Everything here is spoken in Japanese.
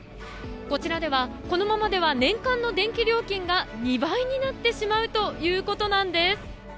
こちらではこのままでは年間の電気料金が２倍になってしまうということなんです。